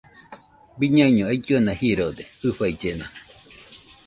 Biñaino ailluena jirode jɨfaillena